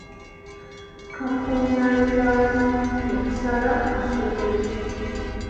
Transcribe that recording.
Tukungaanira wamu ne tusaba ku ssomero.